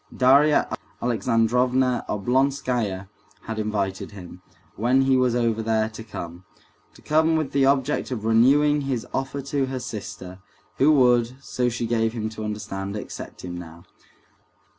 Darya Alexandrovna Oblonskaya had invited him, when he was over there, to come; to come with the object of renewing his offer to her sister, who would, so she gave him to understand, accept him now.